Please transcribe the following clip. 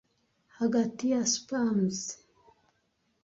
Hagati ya spasm